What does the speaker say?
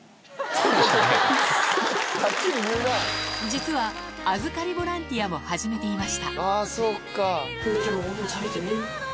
実は預かりボランティアも始めていました